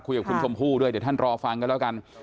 คุยกับคุณชมพู่ด้วยเดี๋ยวท่านรอฟังกันแล้วกัน